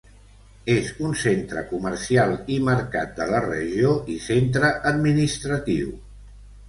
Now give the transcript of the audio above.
És un centre comercial i mercat de la regió i centre administratiu.